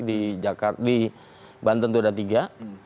di jakarta di banten itu ada tiga